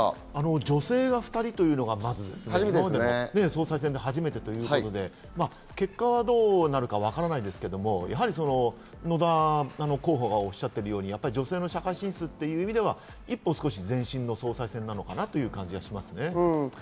女性が２人というのがね、まず総裁選で初めてということで、結果はどうなるかわからないですけれども、野田候補がおっしゃっているように、女性の社会進出という意味では一歩前進の総裁選なのかなという感じがします。